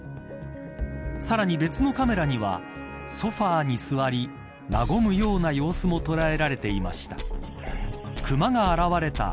さらに別のカメラにはソファに座り和むような様子も捉えられていました。